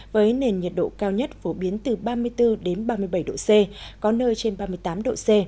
với nền nhiệt độ cao nhất phổ biến từ ba mươi bốn ba mươi bảy độ c có nơi trên ba mươi tám độ c